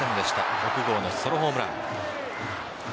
６号のソロホームラン。